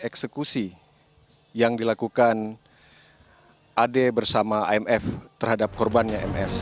pembunuhan korban ms terjadi